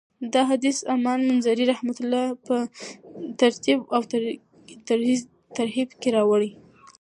دا حديث امام منذري رحمه الله په الترغيب والترهيب کي راوړی .